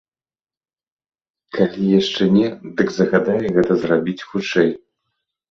Калі яшчэ не, дык загадай гэта зрабіць хутчэй.